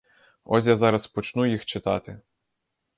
Ось я зараз почну їх читати.